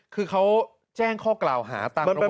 คือเขาแจ้งข้อกล่าวหาตามรมบุตรกลาง